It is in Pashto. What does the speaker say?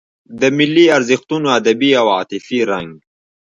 د ملي ارزښتونو ادبي او عاطفي رنګ.